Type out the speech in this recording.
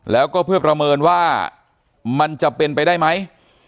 แล้วก็เพื่อประเมินว่ามันจะเป็นไปได้ไหม